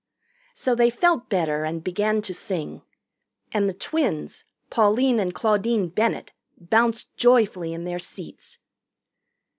So they felt better and began to sing. And the twins, Pauline and Claudine Bennett, bounced joyfully in their seats.